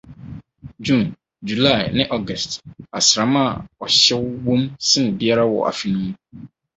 June, July, ne August, asram a ɔhyew wom sen biara wɔ afe no mu.